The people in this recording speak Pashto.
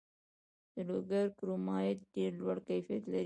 د لوګر کرومایټ ډیر لوړ کیفیت لري.